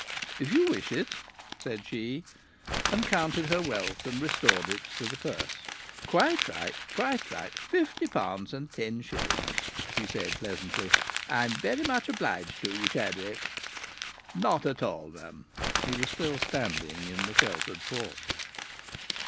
"If you wish it," said she, and counted her wealth and restored it to the purse. "Quite right quite right! Fifty pounds and ten shillings," she said pleasantly. "I'm very much obliged to you, Chadwick." "Not at all, m'm!" He was still standing in the sheltered porch.